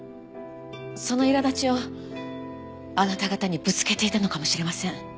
そのいら立ちをあなた方にぶつけていたのかもしれません。